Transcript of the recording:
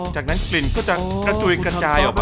จากนั้นกลิ่นก็จะกระจุยกระจายออกมา